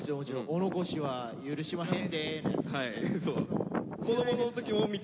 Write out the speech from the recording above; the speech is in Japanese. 「お残しは許しまへんでェ！」のやつですよね。